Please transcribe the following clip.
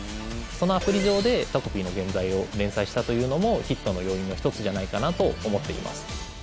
そのアプリ上で「タコピーの原罪」を連載したというのもヒットの要因の１つじゃないかなと思っています。